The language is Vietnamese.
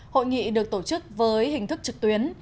hội nghị được tổ chức với hình thức trực tuyến